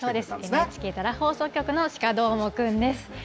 ＮＨＫ奈良放送局の鹿どーもくんです。